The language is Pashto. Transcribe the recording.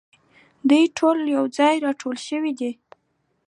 دوی ټول یو ځای راټول شوي دي.